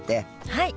はい。